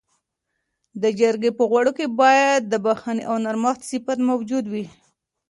د جرګې په غړو کي باید د بخښنې او نرمښت صفت موجود وي.